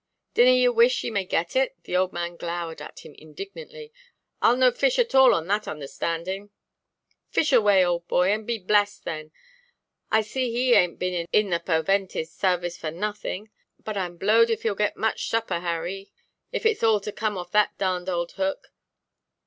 "Dinna ye wish ye may get it?"—the old man glowered at him indignantly—"Iʼll no fish at all on that onderstanding." "Fish away, old boy, and be blessed, then. I see he ainʼt been in the purwentive sarvice for nothing. But Iʼm blowed if heʼll get much supper, Harry, if itʼs all to come off that darned old hook."